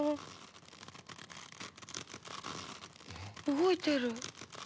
動いてる。